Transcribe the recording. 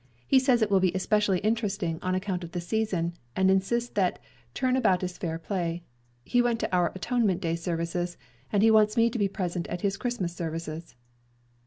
He says it will be especially interesting on account of the season, and insists that 'turn about is fair play.' He went to our Atonement day services, and he wants me to be present at his Christmas services."